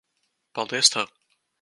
Paldies tev.